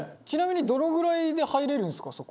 「ちなみにどのぐらいで入れるんですか？